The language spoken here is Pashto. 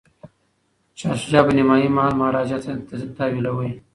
شاه شجاع به نیمایي مال مهاراجا ته تحویلوي.